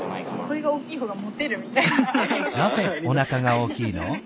これが大きいほうがモテるみたいな。